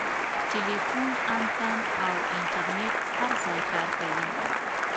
ټیلیفون انتن او انټرنیټ هر ځای کار کوي.